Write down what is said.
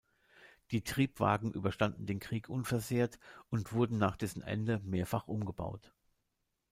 Die Triebwagen überstanden den Krieg unversehrt und wurden nach dessen Ende mehrfach umgebaut.